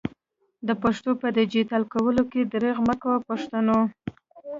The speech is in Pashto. د پښتو په ډيجيټل کولو کي درېغ مکوئ پښتنو!